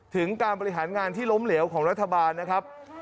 ถึงการบริหารงานที่ล้มเหลวของรัฐบาลนะครับ